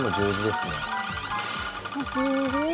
「すごい！」